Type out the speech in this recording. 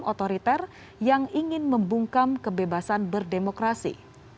otoriter yang ingin membungkam kebebasan berdemokrasi